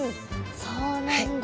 そうなんだ。